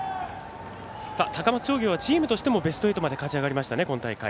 高松商業はチームとしてもベスト８に勝ち上がりましたね、今大会。